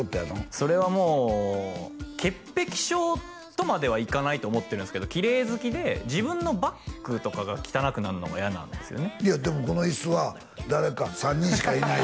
それはもう潔癖症とまではいかないと思ってるんすけどキレイ好きで自分のバッグとかが汚くなんのがイヤなんですよねでもこのイスは誰か３人しかいない